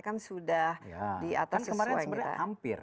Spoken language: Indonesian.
kan sudah di atas keseluruhan